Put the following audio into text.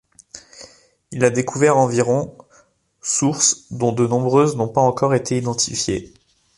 Il a découvert environ sources dont de nombreuses n'ont pas encore été identifiées.